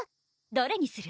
どれにする？